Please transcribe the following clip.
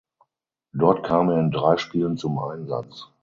Dort kam er in drei Spielen zum Einsatz.